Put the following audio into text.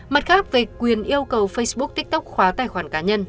mặt khác về quyền yêu cầu facebook tiktok khóa tài khoản cá nhân